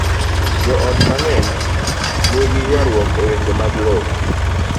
Joot mang'eny nigi ywaruok e weche mag lowo.